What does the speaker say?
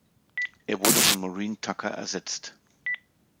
Er wurde von Maureen Tucker ersetzt.